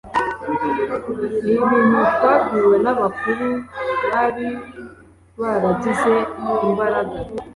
ni ibintu twabwiwe n’abakuru bari baragize imbaraga